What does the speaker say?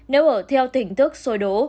nếu ở theo tỉnh thức sôi đổ